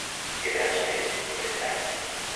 Què transmet el refrany?